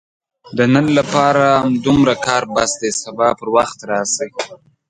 د نن لپاره همدومره کار بس دی، سبا پر وخت راشئ!